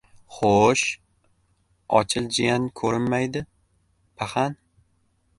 Xo‘-o‘sh, Ochil jiyan ko‘rinmaydi, paxan?